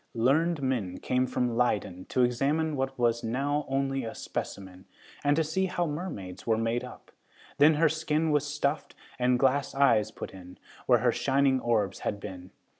Learned men came from Leyden to examine what was now only a specimen, and to see how mermaids were made up. Then her skin was stuffed, and glass eyes put in, where her shining orbs had been.